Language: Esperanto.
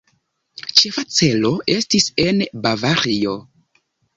Ĉefa celo estis en Bavario.